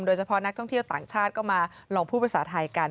โดยเฉพาะนักท่องเที่ยวต่างชาติก็มาลองพูดภาษาไทยกัน